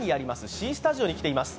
Ｃスタジオに来ています。